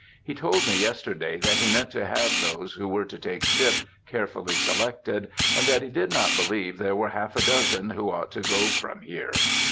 He told me yesterday that he meant to have those who were to take ship carefully selected, and that he did not believe there were half a dozen who ought to go from here.